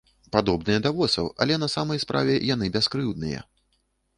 Падобныя да восаў, але на самай справе яны бяскрыўдныя.